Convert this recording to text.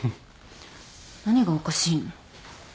何がおかしいの？